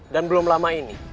dan belum lama ini